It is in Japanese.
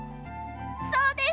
そうです！